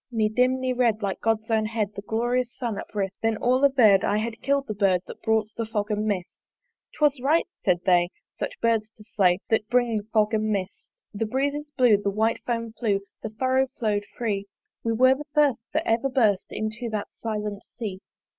Ne dim ne red, like God's own head, The glorious Sun uprist: Then all averr'd, I had kill'd the Bird That brought the fog and mist. 'Twas right, said they, such birds to slay That bring the fog and mist. The breezes blew, the white foam flew, The furrow follow'd free: We were the first that ever burst Into that silent Sea.